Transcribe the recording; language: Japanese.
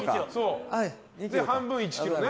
半分が１ｋｇね。